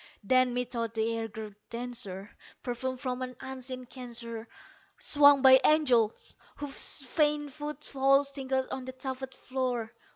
Then, methought the air grew denser, perfumed from an unseen censer Swung by angels whose faint foot falls tinkled on the tufted floor.